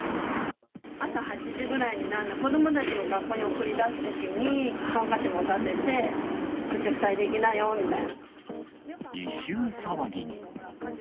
朝８時ぐらいに、子どもたちを学校に送り出すときにハンカチ持たせて、異臭騒ぎに。